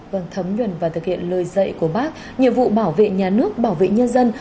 vâng thấm nhuần và thực hiện lời dạy của bác nhiệm vụ bảo vệ nhà nước bảo vệ nhân dân